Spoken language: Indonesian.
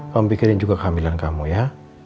kamu pikirin juga kehamilan kamu ya